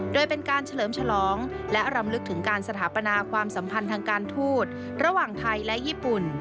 โดยเป็นการเฉลิมฉลองและรำลึกถึงการสถาปนาความสัมพันธ์ทางการทูตระหว่างไทยและญี่ปุ่น